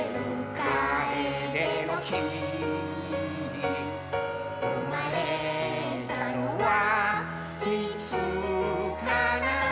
カエデの木」「うまれたのはいつかな？」